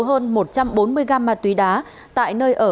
hơn một trăm bốn mươi gam ma túy đá tại nơi ở thuận